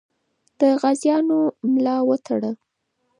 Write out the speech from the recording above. د غازیانو ملا وتړه.